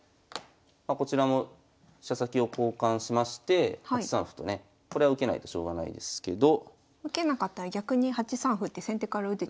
こちらも飛車先を交換しまして８三歩とねこれは受けないとしょうがないですけど。受けなかったら逆に８三歩って先手から打てちゃいますもんね。